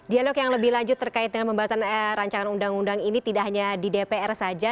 dialog yang lebih lanjut terkait dengan pembahasan rancangan undang undang ini tidak hanya di dpr saja